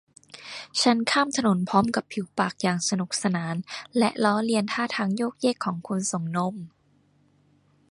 ฉันข้ามถนนพร้อมกับผิวปากอย่างสนุกสานและล้อเลียนท่าทางโยกเยกของคนส่งนม